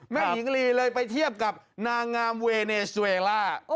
หญิงลีเลยไปเทียบกับนางงามเวเนสเวล่า